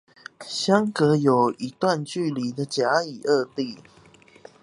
相隔有一段距離的甲乙二地